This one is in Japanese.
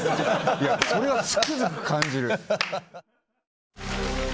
それはつくづく感じる。